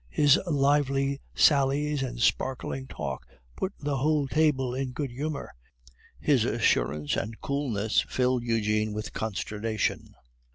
His lively sallies and sparkling talk put the whole table in good humor. His assurance and coolness filled Eugene with consternation.